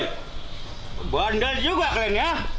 istimewa sekali kalian